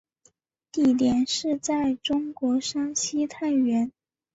地点是在中国山西太原。